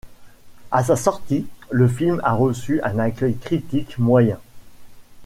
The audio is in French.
À sa sortie, le film a reçu un accueil critique moyen.